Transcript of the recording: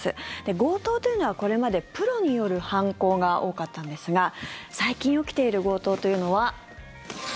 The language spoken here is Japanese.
強盗というのはこれまでプロによる犯行が多かったんですが最近起きている強盗というのは。